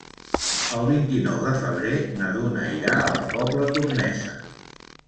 El vint-i-nou de febrer na Duna irà a la Pobla Tornesa.